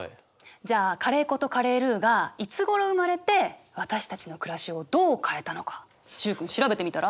じゃあカレー粉とカレールーがいつごろ生まれて私たちの暮らしをどう変えたのか習君調べてみたら？